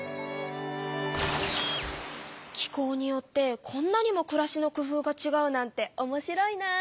気候によってこんなにもくらしの工夫がちがうなんておもしろいな。